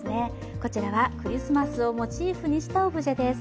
こちらはクリスマスをモチーフにしたオブジェです。